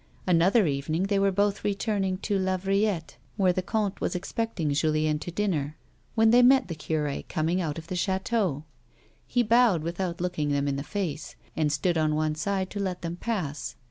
Another evening, they were both returning to La Vrillelte, where the comte was expecting Julien to dinner, when they met the cure coming out of the cliateau. He bowed, with out looking them in the face, and stood on one side to let them pass.